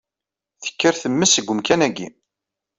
Tekker temmes deg umkan-agi!